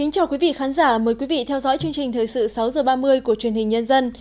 chào mừng quý vị đến với bộ phim thời sự sáu h ba mươi của truyền hình nhân dân